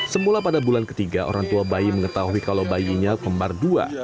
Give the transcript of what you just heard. semula pada bulan ketiga orang tua bayi mengetahui kalau bayinya kembar dua